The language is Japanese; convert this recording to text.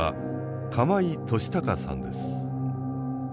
釜井俊孝さんです。